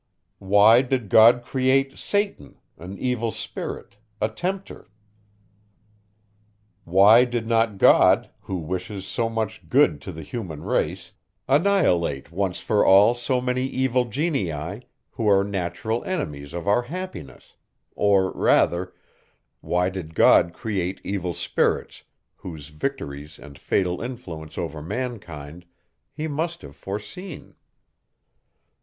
Why did God create satan, an evil spirit, a tempter? Why did not God, who wishes so much good to the human race, annihilate once for all so many evil genii, who are naturally enemies of our happiness; or rather, why did God create evil spirits, whose victories and fatal influence over mankind, he must have foreseen?